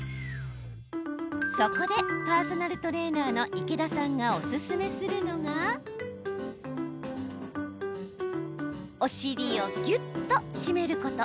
そこでパーソナルトレーナーの池田さんがおすすめするのがお尻をぎゅっと締めること。